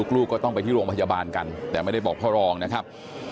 ลูกก็ต้องไปที่โรงพยาบาลกันแต่ไม่ได้บอกพ่อรองนะครับ